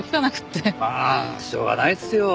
まあしょうがないですよ。